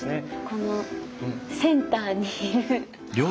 このセンターにいる。